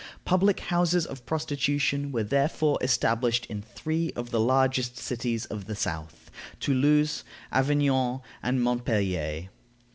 Public houses of prostitution were therefore established in three of the largest cities of the south Toulouse, Avignon, and Montpellier.